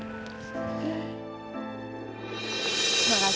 selalu bisa mengingat kamu